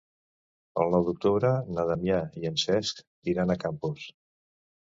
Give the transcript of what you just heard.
El nou d'octubre na Damià i en Cesc iran a Campos.